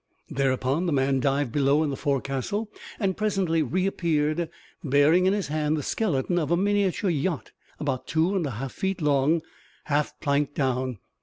Thereupon, the man dived below into the forecastle, and presently reappeared, bearing in his hand the skeleton of a miniature yacht, about two and a half feet long, half planked down.